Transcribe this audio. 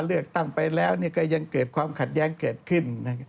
เลือกตั้งไปแล้วก็ยังเกิดความขัดแย้งเกิดขึ้น